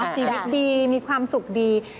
ชีวิตดีมีความสุขดี